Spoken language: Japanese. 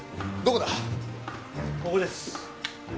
ここです。